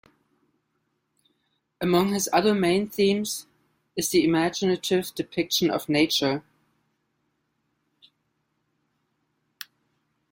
Among his other main themes is the imaginative depiction of nature.